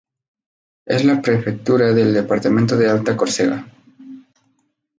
Es la prefectura del departamento de Alta Córcega.